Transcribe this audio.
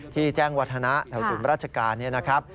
ที่แจ้งวัฒนะเถ่าศูนย์ราชการนะครับ